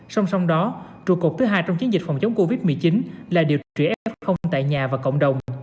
song song đó trụ cột thứ hai trong chiến dịch phòng chống covid một mươi chín là điều trị f tại nhà và cộng đồng